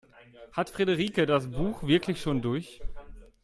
Hat Friederike das Buch wirklich schon durch?